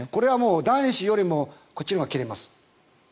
男子よりもこっちのほうが切れます。